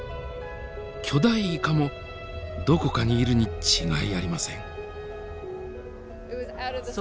巨大イカもどこかにいるに違いありません。